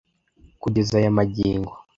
Kugeza aya magingo